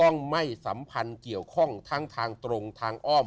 เขาห้องทางตรงทางอ้อม